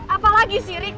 apalagi sih rick